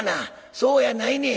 「そうやないねん。